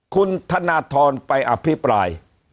คุณธนาธรณ์ไปอภิปราย